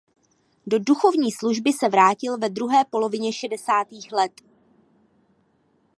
Do duchovní služby se vrátil ve druhé polovině šedesátých let.